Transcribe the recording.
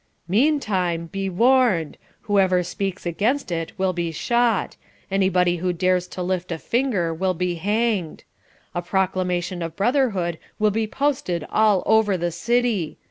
"Meantime, be warned. Whoever speaks against it will be shot: anybody who dares to lift a finger will be hanged. A proclamation of Brotherhood will be posted all over the city.